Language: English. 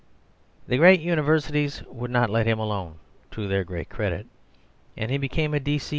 The great universities would not let him alone, to their great credit, and he became a D.C.